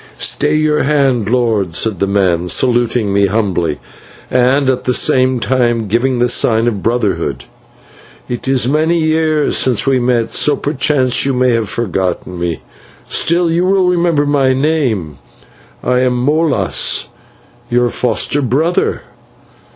"Stay your hand, lord," said the man, saluting me humbly, and at the same time giving the sign of brotherhood. "It is many years since we met, so perchance you may have forgotten me; still, you will remember my name; I am Molas, your foster brother."